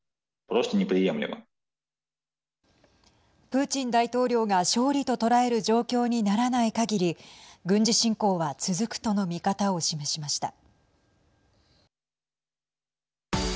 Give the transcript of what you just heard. プーチン大統領が勝利と捉える状況にならないかぎり軍事侵攻は続くとの見方を示しました。